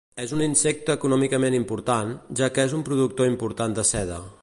És un insecte econòmicament important, ja que és un productor important de seda.